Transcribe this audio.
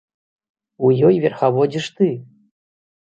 У ёй верхаводзіш ты!